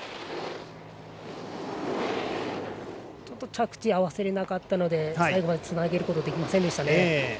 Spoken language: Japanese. ちょっと着地を合わせられなかったので最後までつなげることができませんでした。